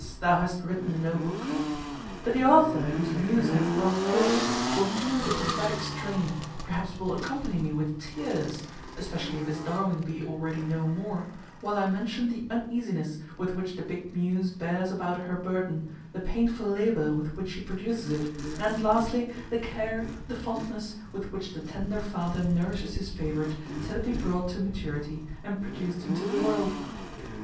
Thou hast written no book." But the author whose muse hath brought forth will feel the pathetic strain, perhaps will accompany me with tears (especially if his darling be already no more), while I mention the uneasiness with which the big muse bears about her burden, the painful labour with which she produces it, and, lastly, the care, the fondness, with which the tender father nourishes his favourite, till it be brought to maturity, and produced into the world.